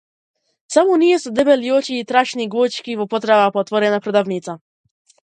Само ние со дебели очи и траќни глочки во потрага по отворена продавница.